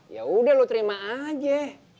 yaudah lu terima aja